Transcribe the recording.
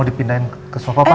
dipindahin ke soko pak